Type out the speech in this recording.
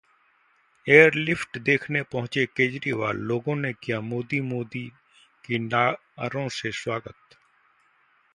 'airlift' देखने पहुंचे केजरीवाल, लोगों ने किया 'मोदी-मोदी' के नारों से स्वागत